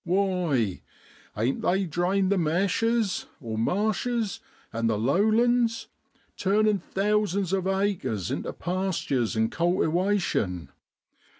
Why, ain't they drained the meshes (marshes) an' the low lands, turnin' thousands of acres into pastures and cultiwation